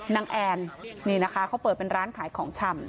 แอนนี่นะคะเขาเปิดเป็นร้านขายของชำ